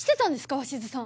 鷲津さん。